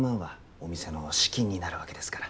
お店の資金になるわけですから